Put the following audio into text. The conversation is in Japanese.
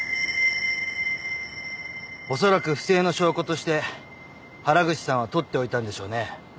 おそらく不正の証拠として原口さんは取っておいたんでしょうね。